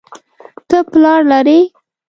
ته پلار لرې